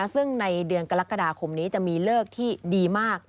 ซึ่งในเดือนกรกฎาคมนี้จะมีเลิกที่ดีมาก